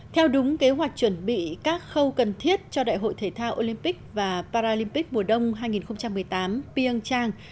theo đúng kế hoạch chuẩn bị các khâu cần thiết cho đại hội thể thao olympic và paralympic mùa đông hai nghìn một mươi tám pian trang